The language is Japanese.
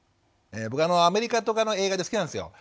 僕アメリカとかの映画で好きなんですよ。